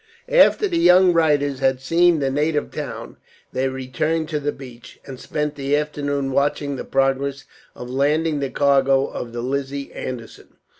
After the young writers had seen the native town, they returned to the beach, and spent the afternoon watching the progress of landing the cargo of the Lizzie Anderson.